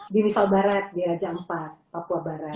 di wisawa barat di ajang empat papua barat